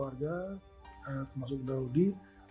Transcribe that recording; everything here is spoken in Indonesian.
keluarga termasuk daudi